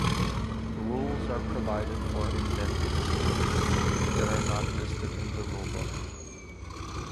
Rules are provided for inventing skills that are not listed in the rulebook.